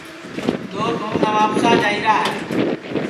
دؔوت ہوں نوابشاہ جائیرا ہے